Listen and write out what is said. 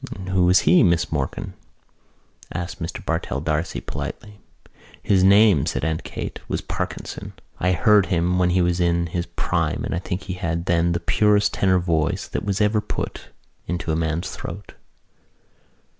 "Who was he, Miss Morkan?" asked Mr Bartell D'Arcy politely. "His name," said Aunt Kate, "was Parkinson. I heard him when he was in his prime and I think he had then the purest tenor voice that was ever put into a man's throat."